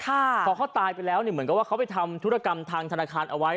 พอเขาตายไปแล้วเนี่ยเหมือนกับว่าเขาไปทำธุรกรรมทางธนาคารเอาไว้